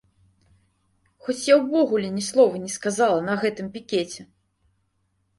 Хоць я ўвогуле ні слова не сказала на гэтым пікеце!